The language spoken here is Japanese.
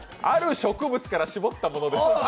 ある植物から搾ったものです。